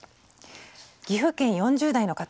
岐阜県４０代の方。